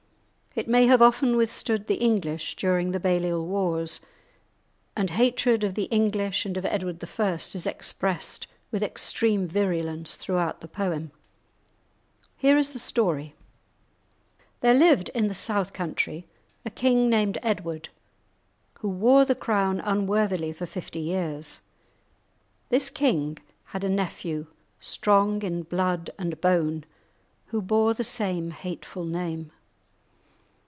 It may have often withstood the English during the Baliol wars, and hatred of the English and of Edward I. is expressed with extreme virulence throughout the poem. Here is the story:— There lived in the south country a king named Edward, who wore the crown unworthily for fifty years. This king had a nephew, strong in blood and bone, who bore the same hateful name.